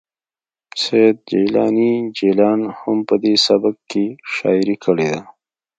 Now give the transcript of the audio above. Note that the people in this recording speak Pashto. سید جیلاني جلان هم په دې سبک کې شاعري کړې ده